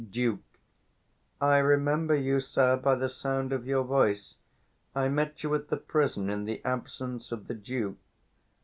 325 Duke. I remember you, sir, by the sound of your voice: I met you at the prison, in the absence of the Duke.